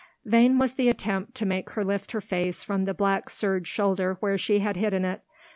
Vain was the attempt to make her lift her face from the black serge shoulder where she had hidden it.